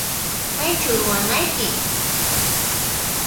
Kaychu ruwanayki?